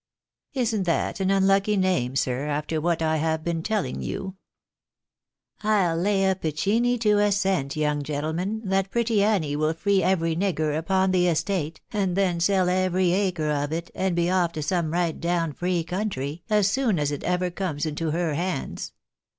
Isn't that an unlucky name, sir, after what I have been a telling you ? I'U lay a piccinne to a cent, young gentleman, that pretty Annie will free every nigger upon the estate, and then sell every acre of it, and be off to some right down free country, as soon as ever it comes into her hands.